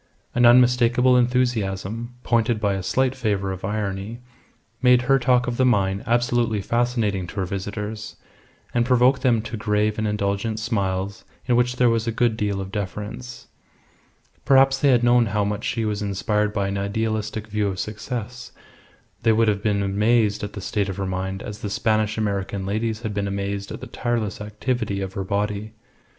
An unmistakable enthusiasm, pointed by a slight flavour of irony, made her talk of the mine absolutely fascinating to her visitors, and provoked them to grave and indulgent smiles in which there was a good deal of deference. Perhaps had they known how much she was inspired by an idealistic view of success they would have been amazed at the state of her mind as the Spanish American ladies had been amazed at the tireless activity of her body.